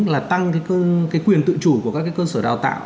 là tăng cái quyền tự chủ của các cái cơ sở đào tạo